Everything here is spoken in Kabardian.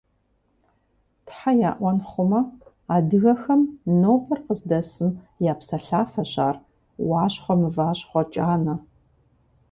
Тхьэ яӀуэн хъумэ, адыгэхэм нобэр къыздэсым я псалъафэщ ар – «Уащхъуэ мыващхъуэ кӀанэ!».